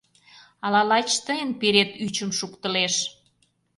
Ала лач тыйын пирет ӱчым шуктылеш?